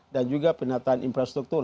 dan juga penataan infrastruktur